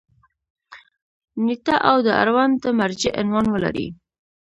نیټه او د اړونده مرجع عنوان ولري.